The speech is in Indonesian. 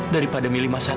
daripada milih mas satria